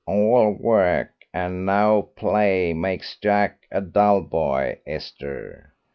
"'All work and no play makes Jack a dull boy,' Esther.